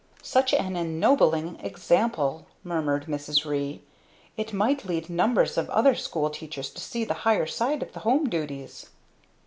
"Such an ennobling example!" murmured Mrs. Ree. "It might lead numbers of other school teachers to see the higher side of the home duties!"